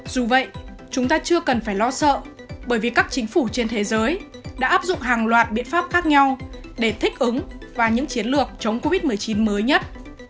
dù vậy chúng ta chưa cần phải lo sợ bởi vì các chính phủ trên thế giới đã áp dụng hàng loạt biện pháp khác nhau để thích ứng và những chiến lược chống covid một mươi chín mới nhất